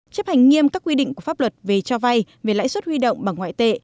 chấp hành nghiêm các quy định của pháp luật về cho vay về lãi suất huy động bằng ngoại tệ